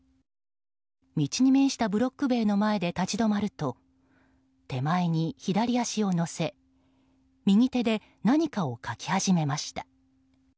道に面したブロック塀の前で立ち止まると手前に左足を乗せ右手で何かを書き始めました。